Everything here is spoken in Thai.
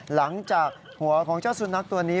หลังจากหัวของเจ้าสุนัขตัวนี้